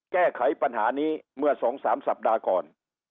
แก้ไขปัญหานี้เมื่อ๒๓สัปดาห์ก่อน